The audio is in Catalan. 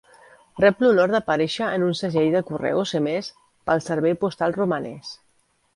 Rep l"honor d"aparèixer en un segell de correus emès pel Servei Postal Romanès.